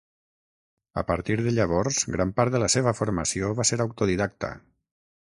A partir de llavors gran part de la seva formació va ser autodidacta.